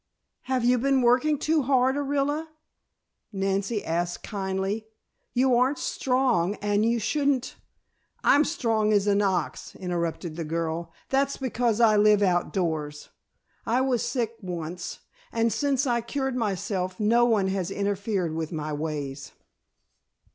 "Have you been working too hard, Orilla?" Nancy asked kindly. "You aren't strong and you shouldn't " "I'm strong as an ox," interrupted the girl. "That's because I live out doors. I was sick once, and since I cured myself no one has interfered with my ways."